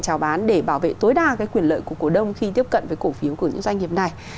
trào bán để bảo vệ tối đa cái quyền lợi của cổ đông khi tiếp cận với cổ phiếu của những doanh nghiệp này